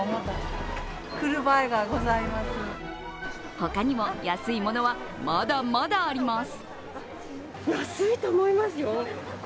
他にも安いものはまだまだあります。